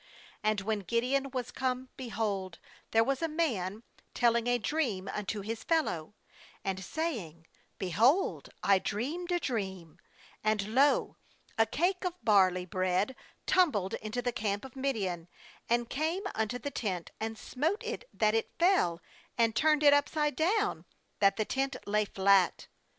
13And when Gideon was come, behold, there was a man telling a dream unto his fellow, and saying: 'Behold, I dreamed a dream, and, lo, a cake of barley bread tumbled into the camp of Midian, and came unto the tent, and smote it that it fell, and turned it upside down, that the tent lay flat.